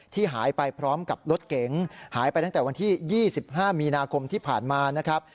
หายไปพร้อมกับรถเก๋งหายไปตั้งแต่วันที่๒๕มีนาคมที่ผ่านมานะครับ